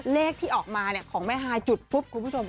เลขที่ออกมาของแม่ฮายจุดปุ๊บคุณผู้ชม